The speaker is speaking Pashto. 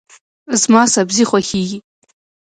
زما سبزي خوښیږي.